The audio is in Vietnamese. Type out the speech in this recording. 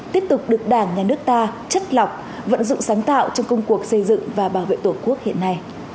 tiếp tục được đảng nhà nước ta chất lọc vận dụng sáng tạo trong công cuộc xây dựng và bảo vệ tổ quốc hiện nay